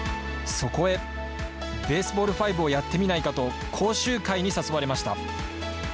そこへ、ベースボール５をやってみないかと、講習会に誘われました。